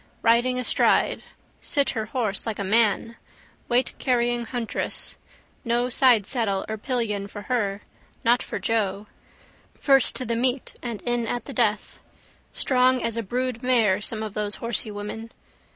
Riding astride. Sit her horse like a man. Weightcarrying huntress. No sidesaddle or pillion for her, not for Joe. First to the meet and in at the death. Strong as a brood mare some of those horsey women.